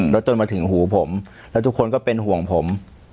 แล้วจนมาถึงหูผมแล้วทุกคนก็เป็นห่วงผม